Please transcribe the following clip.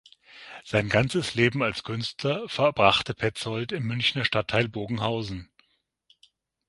Sein ganzes Leben als Künstler verbrachte Pezold im Münchner Stadtteil Bogenhausen.